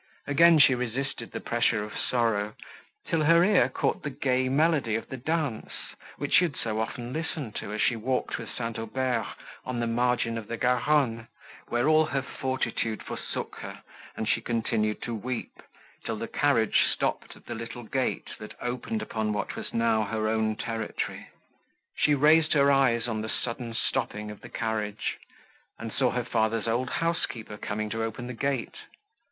Again she resisted the pressure of sorrow, till her ear caught the gay melody of the dance, which she had so often listened to, as she walked with St. Aubert, on the margin of the Garonne, when all her fortitude forsook her, and she continued to weep, till the carriage stopped at the little gate, that opened upon what was now her own territory. She raised her eyes on the sudden stopping of the carriage, and saw her father's old housekeeper coming to open the gate.